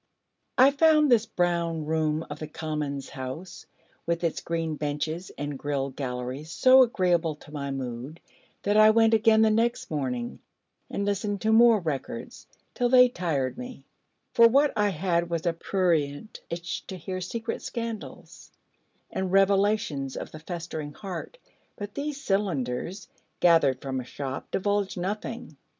I found this brown room of the Commons house, with its green benches, and grilled galleries, so agreeable to my mood, that I went again the next morning, and listened to more records, till they tired me: for what I had was a prurient itch to hear secret scandals, and revelations of the festering heart, but these cylinders, gathered from a shop, divulged nothing.